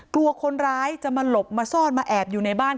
กลัวคนร้ายจะมาหลบมาซ่อนมาแอบอยู่ในบ้าน